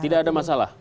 tidak ada masalah